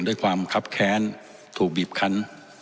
ด้วยความคับแค้นถูกบีบคัน